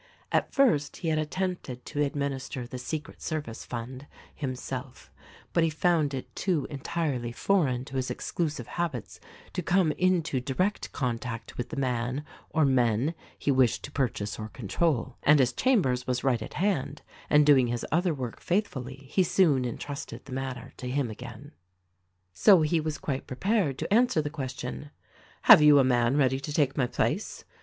At first he had attempted to administer the "Secret service fund" himself, but he found it too entirely foreign to his exclusive habits to come into direct contact with the man or men he wished to purchase or control ; and as Chambers was right at hand and doing his other work faithfully he soon entrusted the matter to him again. So he was quite prepared to answer the question : "Have you a man ready to take my place